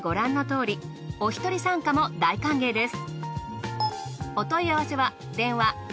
おひとり参加も大歓迎です。